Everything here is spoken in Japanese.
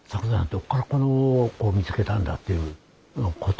どっからこの子を見つけたんだっていうことで。